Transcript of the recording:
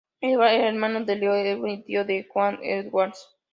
Edwards era hermano de Leo Edwards y tío de Joan Edwards.